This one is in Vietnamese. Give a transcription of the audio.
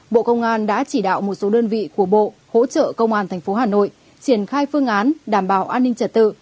bộ công an đã chỉ đạo một số đơn vị của bộ hỗ trợ công an tp hà nội triển khai phương án đảm bảo an ninh trật tự